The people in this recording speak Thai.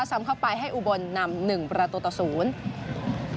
ซ้ำเข้าไปให้อุบลนำหนึ่งประตูต่อศูนย์